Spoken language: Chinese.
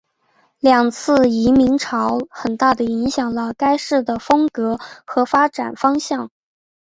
两次移民潮很大的影响了该市的风格和发展方向。